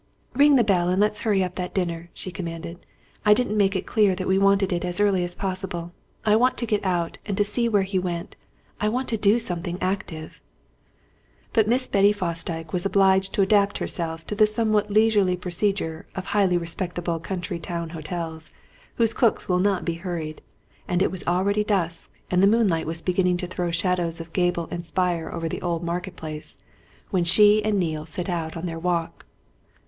"Ring the bell and let's hurry up that dinner," she commanded. "I didn't make it clear that we want it as early as possible. I want to get out, and to see where he went I want to do something active!" But Miss Betty Fosdyke was obliged to adapt herself to the somewhat leisurely procedure of highly respectable country town hotels, whose cooks will not be hurried, and it was already dusk, and the moonlight was beginning to throw shadows of gable and spire over the old Market Place, when she and Neale set out on their walk.